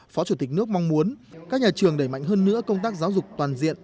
phó chủ tịch nước mong muốn các nhà trường đẩy mạnh hơn nữa công tác giáo dục toàn diện